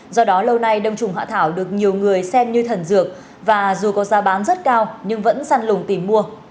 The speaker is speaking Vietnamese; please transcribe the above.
do đó lâu nay đông trùng hạ thảo được nhiều người xem như thần dược và dù có giá bán rất cao nhưng vẫn săn lùng tìm mua